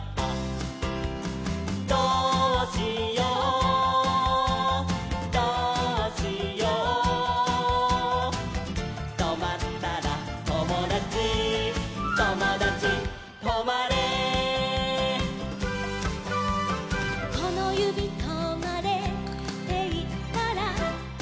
「どうしようどうしよう」「とまったらともだちともだちとまれ」「このゆびとまれっていったら」